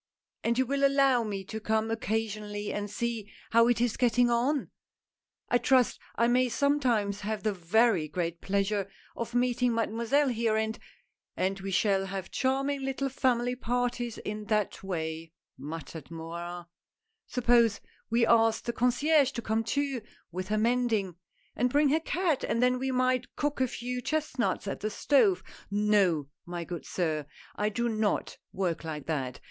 And you will allow me to come occasionally and see how it is getting on ?— I trust I may sometimes have the very great pleasure of meeting Mademoiselle here and "" And we shall have charming little family parties in that way," muttered Morin, — "suppose we ask the concierge to come too, with her mending, and bring her cat, and then we might cook a few chestnuts at the stove. No, my good sir, I do not work like that.